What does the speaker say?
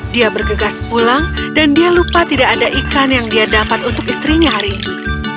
dia bergegas pulang dan dia lupa tidak ada ikan yang dia dapat untuk istrinya hari ini